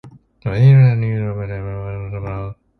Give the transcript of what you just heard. Organisms that use osmotrophy are osmotrophs.